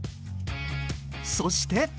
そして。